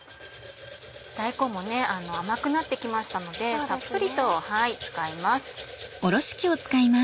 大根も甘くなって来ましたのでたっぷりと使います。